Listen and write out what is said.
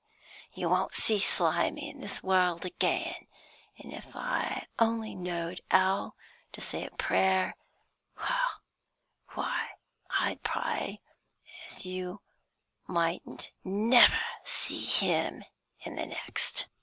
You won't see Slimy in this world again, an' if I only knowed 'ow to say a prayer, why, I'd pray as you mightn't never see him in the next."